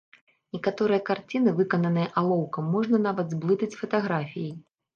Некаторыя карціны, выкананыя алоўкам, можна нават зблытаць з фатаграфіяй.